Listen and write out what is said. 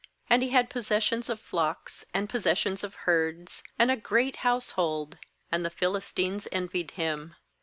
14And he had possessions of flocks, and possessions of herds, and a great household; and the Philistines envied him.